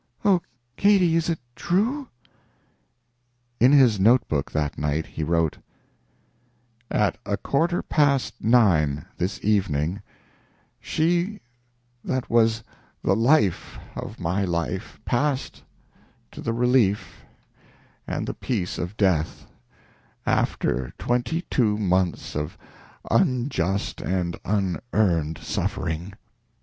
Oh, Katy, is it true?" In his note book that night he wrote: "At a quarter past nine this evening she that was the life of my life passed to the relief and the peace of death, after twenty two months of unjust and unearned suffering.